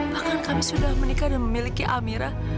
bahkan kami sudah menikah dan memiliki amira